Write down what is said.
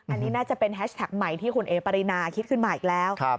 อันนี้น่าจะเป็นแฮชแท็กใหม่ที่คุณเอ๋ปรินาคิดขึ้นมาอีกแล้ว